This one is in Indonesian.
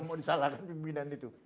mau disalahkan pimpinan itu